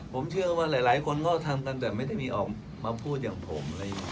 ผมเชื่อว่าหลายคนก็ทำกันแต่ไม่ได้มีออกมาพูดอย่างผมอะไรอย่างนี้